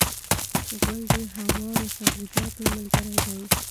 غول د هوارو سبزیجاتو ملګری دی.